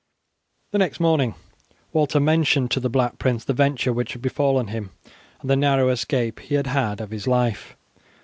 The next morning Walter mentioned to the Black Prince the venture which had befallen him, and the narrow escape he had had of his life.